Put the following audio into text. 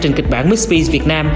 trình kịch bản mixed fees việt nam